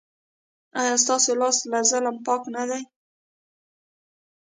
ایا ستاسو لاس له ظلم پاک نه دی؟